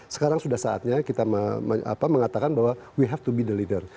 sekarang sudah saatnya kita mengatakan bahwa we have to be the leader